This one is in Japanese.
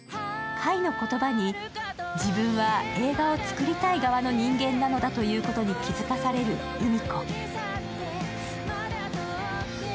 海の言葉に自分は映画を作りたい側の人間なのだと気付かされるうみ子。